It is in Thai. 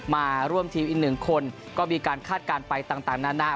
มาร่วมทีมอีกหนึ่งคนก็มีการคาดการณ์ไปต่างนานา